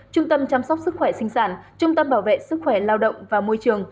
trung tâm chăm sóc sức khỏe sinh sản trung tâm bảo vệ sức khỏe lao động và môi trường